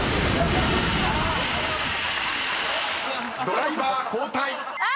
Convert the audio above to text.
［ドライバー交代］あ！